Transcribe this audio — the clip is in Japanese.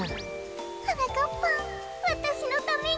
はなかっぱんわたしのために。